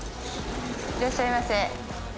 いらっしゃいませ。